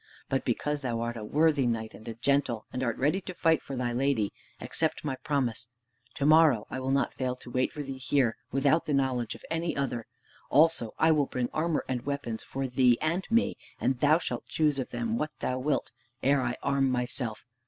But because thou art a worthy knight and a gentle, and art ready to fight for thy lady, accept my promise. To morrow I will not fail to wait for thee here without the knowledge of any other. Also I will bring armor and weapons for thee and me, and thou shalt choose of them what thou wilt, ere I arm myself!